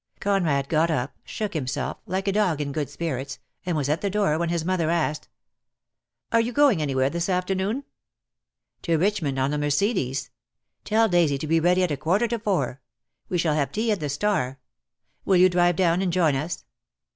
Conrad got up, shook himself, like a dog in good spirits, and was at the door when his mother asked : "Are you going anywhere this afternoon?" "To Richmond on the Mercedes. Tell Daisy to be ready at a quarter to four. We shall have tea at the 'Star.' Will you drive down and join us?"